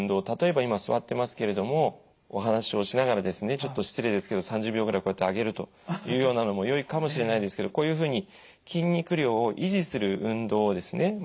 例えば今座ってますけれどもお話をしながらですねちょっと失礼ですけど３０秒ぐらいこうやって上げるというようなのもよいかもしれないですけどこういうふうに筋肉量を維持する運動をですね